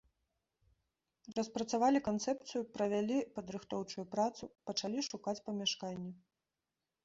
Распрацавалі канцэпцыю, правялі падрыхтоўчую працу, пачалі шукаць памяшканне.